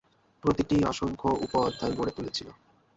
প্রতিটিই অসংখ্য উপ-অধ্যায় গড়ে তুলেছিল।